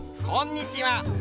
こんにちは！